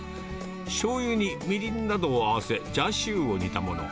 しょうゆにみりんなどを合わせ、チャーシューを煮たもの。